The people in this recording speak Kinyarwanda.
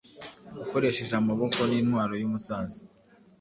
Ukoresheje amaboko nintwaro yumusaza